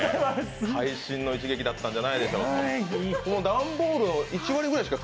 会心の一撃だったのではないでしょうか。